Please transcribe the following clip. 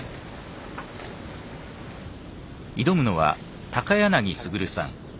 挑むのは柳傑さん。